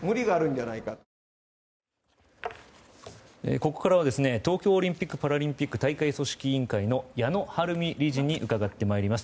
ここからは東京オリンピック・パラリンピック大会組織委員会の矢野晴美理事に伺ってまいります。